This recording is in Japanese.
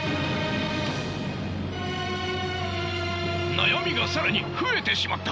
悩みが更に増えてしまった！